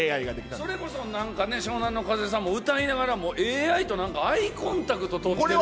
それこそなんかね、湘南乃風さんも、歌いながら、もうＡＩとアイコンタクト取ってる感じが。